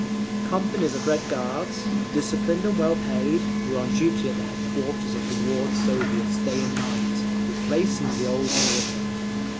Companies of Red Guards, disciplined and well paid, were on duty at the headquarters of the Ward Soviets day and night, replacing the old Militia.